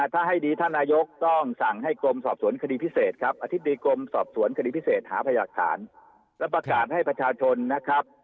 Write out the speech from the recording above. ถ้าให้ดีท่านนายกต้องสั่งให้กรมสอบสวนคดีพิเศษครับอธิบดีกรมสอบสวนคดีพิเศษหาพยาหลักฐานและประกาศให้ประชาชนนะครับ